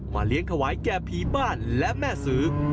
เลี้ยงถวายแก่ผีบ้านและแม่สือ